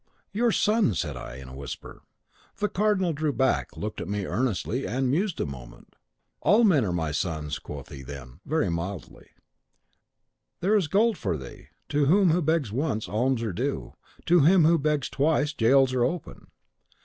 "'Your son,' said I, in a whisper. "The cardinal drew back, looked at me earnestly, and mused a moment. 'All men are my sons,' quoth he then, very mildly; 'there is gold for thee! To him who begs once, alms are due; to him who begs twice, jails are open.